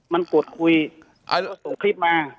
มันกดคุยส่งคลิปมา